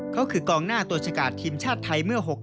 เขาคือกองหน้าตัวชกาศทีมชาติไทยเมื่อ๖๐ปีก่อน